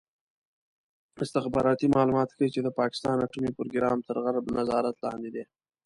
استخباراتي معلومات ښيي چې د پاکستان اټومي پروګرام تر غرب نظارت لاندې دی.